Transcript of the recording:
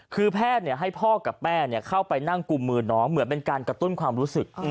คือแพทย์ให้พ่อกับแม่เข้าไปนั่งกุมมือน้องเหมือนเป็นการกระตุ้นความรู้สึก